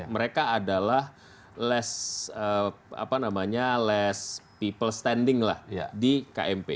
mereka adalah less people standing di kmp